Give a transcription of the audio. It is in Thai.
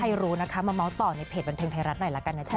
รู้นะคะมาเมาส์ต่อในเพจบันเทิงไทยรัฐหน่อยละกันนะจ๊